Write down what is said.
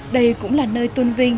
đây cũng là nơi tuân vinh